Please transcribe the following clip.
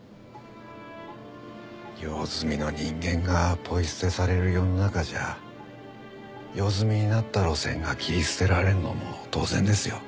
用済みの人間がポイ捨てされる世の中じゃ用済みになった路線が切り捨てられるのも当然ですよ。